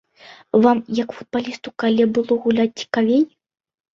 Вам, як футбалісту, калі было гуляць цікавей?